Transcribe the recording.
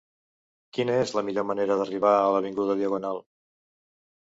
Quina és la millor manera d'arribar a l'avinguda Diagonal?